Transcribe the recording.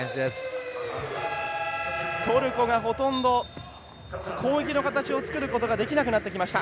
トルコがほとんど攻撃の形をつくることができなくなってきました。